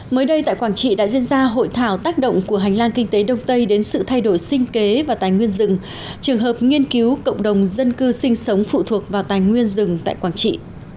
mới đây tại quảng trị đã diễn ra hội thảo tác động của hành lang kinh tế đông tây đến sự thay đổi sinh kế và tài nguyên rừng trường hợp nghiên cứu cộng đồng dân cư sinh sống phụ thuộc vào tài nguyên rừng tại quảng trị